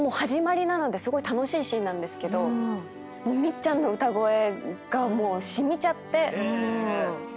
始まりなのですごい楽しいシーンなんですけどみっちゃんの歌声がもう染みちゃって。